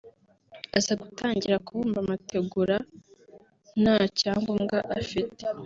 Aza gutangira kubumba amategura nta cyangombwa afite